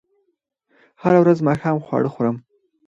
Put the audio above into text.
هره ورځ ماښام خواړه خورم